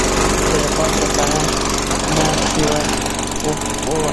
د رباط له پله نه چې ور واوښتو.